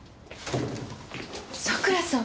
佐倉さん。